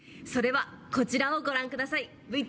それはこちらをご覧下さい。